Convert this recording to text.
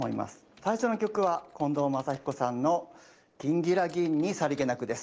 最初の曲は近藤真彦さんの「ギンギラギンにさりげなく」です。